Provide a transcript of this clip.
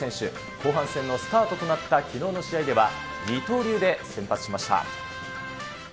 後半戦のスタートとなったきのうの試合では、二刀流で先発しました。